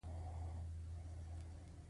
فرد له هماغه پیله په نابرابرو شرایطو کې راځي.